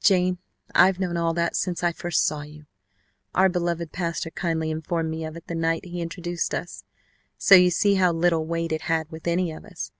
"Jane, I've known all that since I first saw you. Our beloved pastor kindly informed me of it the night he introduced us, so you see how little weight it had with any of us.